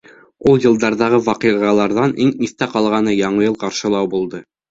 — Ул йылдарҙағы ваҡиғаларҙан иң иҫтә ҡалғаны Яңы йыл ҡаршылау булды.